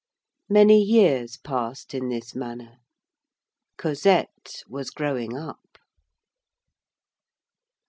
Many years passed in this manner; Cosette was growing up.